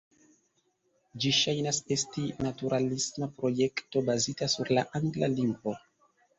Ĝi ŝajnas esti naturalisma projekto bazita sur la angla lingvo.